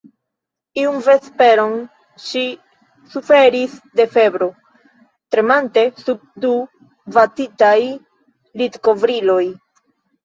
Iun vesperon ŝi suferis de febro, tremante sub du vatitaj litkovriloj.